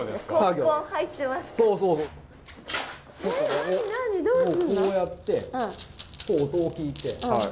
こうやってこう音を聞いて。